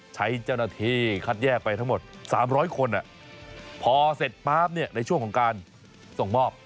ใช้เจ้าหน้าที่คัดแยกไปทั้งหมด๓๐๐คนพอเสร็จป๊าบในช่วงของการส่งมอบ